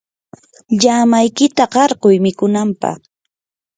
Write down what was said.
llamaykita qarquy mikunanpaq.